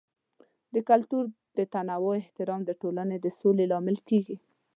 د کلتور د تنوع احترام د ټولنې د سولې لامل کیږي.